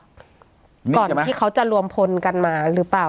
ก่อนที่เขาจะรวมพลกันมาหรือเปล่า